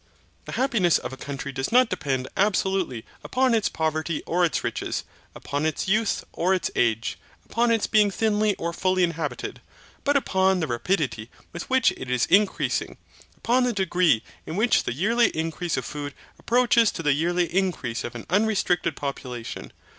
The happiness of a country does not depend, absolutely, upon its poverty or its riches, upon its youth or its age, upon its being thinly or fully inhabited, but upon the rapidity with which it is increasing, upon the degree in which the yearly increase of food approaches to the yearly increase of an unrestricted population.